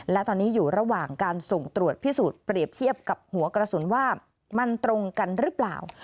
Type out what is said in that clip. และตอนนี้อยู่ระหว่างการส่งตรวจพิสูจน์เปรียบเทียบกับหัวกระสุนว่ามันตรงกันหรือเปล่า